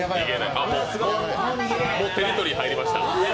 あっ、もうテリトリー入りました。